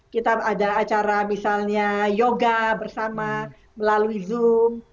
kita ada acara misalnya yoga bersama melalui zoom